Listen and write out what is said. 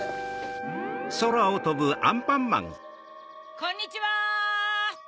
こんにちは！